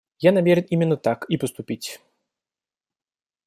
Я намерен именно так и поступить.